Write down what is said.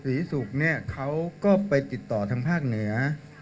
ศรีสุขเขาก็ไปติดต่อทางภาคเหนือ